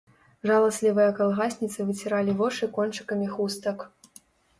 Жаласлівыя калгасніцы выціралі вочы кончыкамі хустак.